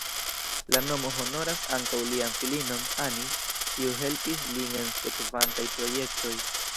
La nomo honoras ankaŭ lian filinon "Annie", kiu helpis lin en sekvantaj projektoj.